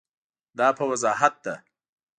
دا په وضاحت ده.